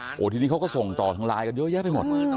โอ้โหทีนี้เขาก็ส่งต่อทางไลน์กันเยอะแยะไปหมด